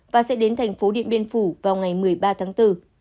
và sẽ đến thành phố điện biên phủ vào ngày một mươi ba tháng bốn